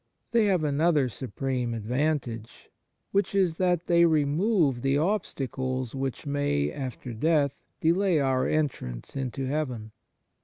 They have another supreme advantage, which is that they remove the obstacles which may, after death, delay our entrance into heaven.